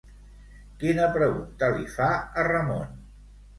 Quina pregunta li fa a Ramon?